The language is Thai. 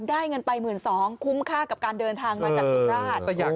ได้เงินไป๑๒๐๐๐บาทคุ้มค่ากับการเดินทางหลังจากจังหวัดสุราชธานี